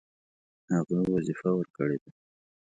هغه وظیفه ورکړې ده.